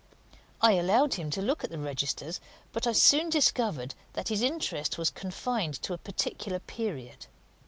I allowed him to look at the registers, but I soon discovered that his interest was confined to a particular period.